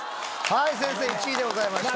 先生１位でございました。